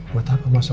buat apa masuk